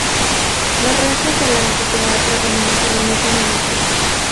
Los restos del anfiteatro romano permanecen en el sitio.